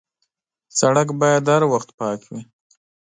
سړک باید هر وخت پاک وي.